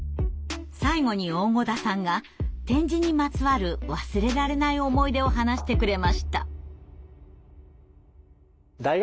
最後に大胡田さんが点字にまつわる忘れられない思い出を話してくれました。